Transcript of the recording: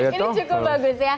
ini cukup bagus ya